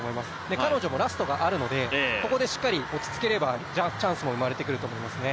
彼女もラストがあるので、ここでしっかり落ち着ければチャンスも生まれてくると思いますね。